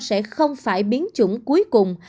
sẽ không phải biến chủng cuối cùng